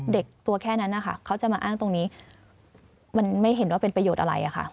เด็กตัวแค่นั้นนะคะเขาจะมาอ้างตรงนี้มันไม่เห็นว่าเป็นประโยชน์อะไรอะค่ะ